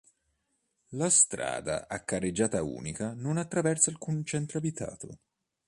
La strada, a carreggiata unica, non attraversa alcun centro abitato.